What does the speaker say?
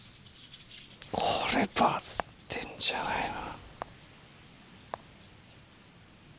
これバズってんじゃないの？